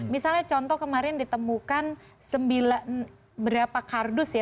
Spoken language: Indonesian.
misalnya contoh kemarin ditemukan berapa kardus ya